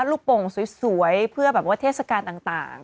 ลูกโป่งสวยเพื่อเทศกาลต่าง